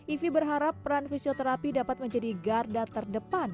ivi berharap peran fisioterapi dapat menjadi garda terdepan